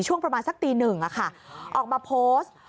ช่วงประมาณสักตีหนึ่งออกมาโพสต์